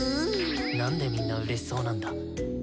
何でみんなうれしそうなんだ。